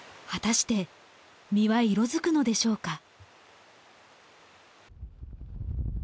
果たして実は色づくのでしょうか？